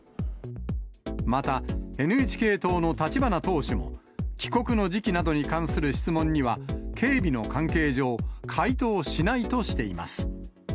また、ＮＨＫ党の立花党首も、帰国の時期などに関する質問には、警備の関係上、回答しないとしています。